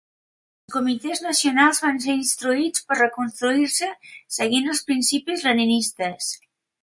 Els comitès nacionals van ser instruïts per reconstruir-se seguint els principis Leninistes.